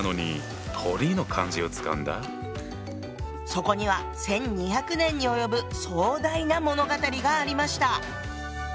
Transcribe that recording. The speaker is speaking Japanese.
そこには１，２００年に及ぶ壮大な物語がありました！